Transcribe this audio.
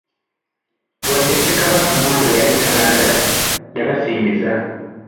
Wadde Ssekabaka Mwanga yali tabaagala, yabasembeza.